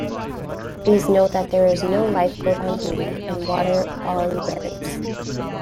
Please note that there is no lifeguard on duty and water quality varies.